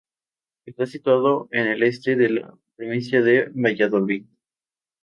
Está situado en el este de la provincia de Valladolid.